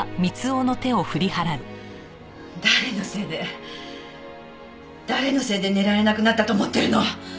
誰のせいで誰のせいで寝られなくなったと思ってるの！